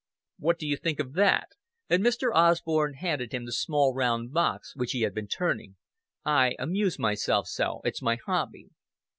"What do you think of that?" And Mr. Osborn handed him the small round box which he had been turning. "I amuse myself so. It's my hobby."